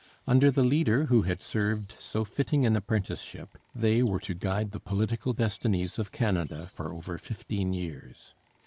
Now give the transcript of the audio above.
Under the leader who had served so fitting an apprenticeship they were to guide the political destinies of Canada for over fifteen years.